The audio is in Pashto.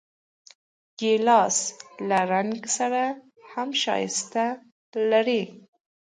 ګیلاس له رنګ سره هم ښایست لري.